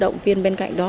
động viên bên cạnh đó